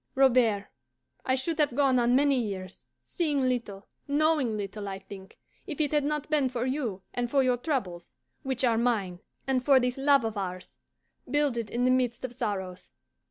Robert, I should have gone on many years, seeing little, knowing little, I think, if it had not been for you and for your troubles, which are mine, and for this love of ours, builded in the midst of sorrows.